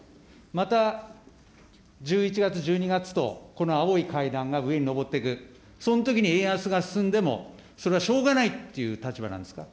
また１１月、１２月と、この青い階段が上に上っていく、そのときに円安が進んでも、それはしょうがないっていう立場なんですか。